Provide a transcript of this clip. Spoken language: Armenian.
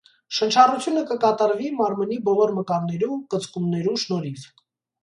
Շնչառութիւնը կը կատարուի մարմնի բոլոր մկաններու կծկումներու շնորհիւ։